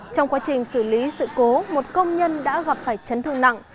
trong quá trình xử lý sự cố một công nhân đã gặp phải chấn thương nặng